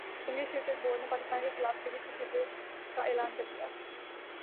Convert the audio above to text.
English cricket board نے پاکستان کیخلاف series کے شیڈول کا اعلان کر دیا